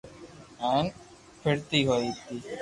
ھيين پھرتي ھتي